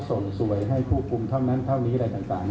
ส่งสวยให้ผู้คุมเท่านั้นเท่านี้อะไรต่าง